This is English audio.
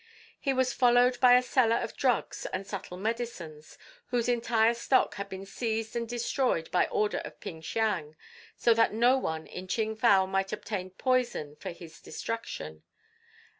He was followed by a seller of drugs and subtle medicines, whose entire stock had been seized and destroyed by order of Ping Siang, so that no one in Ching fow might obtain poison for his destruction.